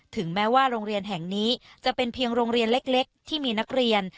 ถึงแม้ว่าโรงเรียนแห่งนี้จะเป็นเพียงโรงเรียนเล็กที่มีนักเรียน